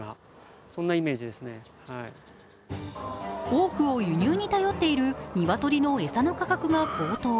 多くを輸入に頼っている鶏の餌の価格が高騰。